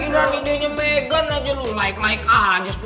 ide idenya megan aja lo